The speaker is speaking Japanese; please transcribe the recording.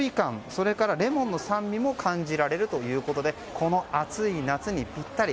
それからレモンの酸味も感じられるということでこの暑い夏にぴったり。